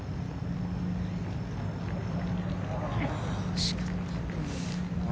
惜しかった。